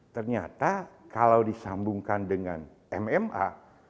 ternyata kalau disambungkan dengan mma